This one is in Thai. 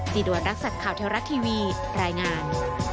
จิตวรักษณ์ข่าวเทวรักทีวีรายงาน